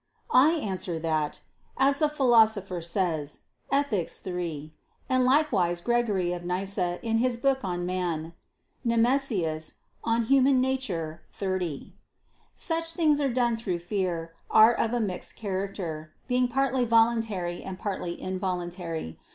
I answer that, As the Philosopher says (Ethic. iii) and likewise Gregory of Nyssa in his book on Man (Nemesius, De Nat. Hom. xxx), such things are done through fear "are of a mixed character," being partly voluntary and partly involuntary.